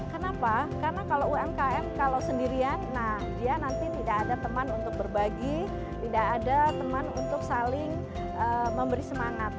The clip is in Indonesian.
kenapa karena kalau umkm kalau sendirian nah dia nanti tidak ada teman untuk berbagi tidak ada teman untuk saling memberi semangat